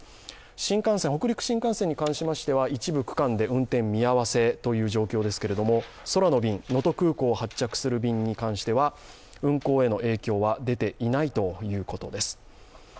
新幹線、北陸新幹線に関しましては一部区間で運転見合わせという状況ですけれども空の便、能登空港を発着する便に関しては運航への影響は出ていないということです。